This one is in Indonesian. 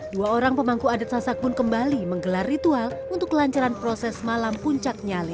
dua orang pemangku adat sasak pun kembali menggelar ritual untuk kelancaran proses malam puncak nyali